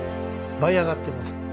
舞い上がってます。